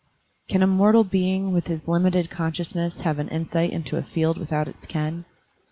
Can a mortal being with his limited conscious ness have an insight into a field without its ken?